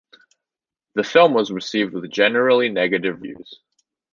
The film was received with generally negative reviews.